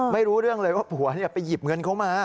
ไม่รู้เรื่องเลยว่าผัวไปหยิบเงินเขามา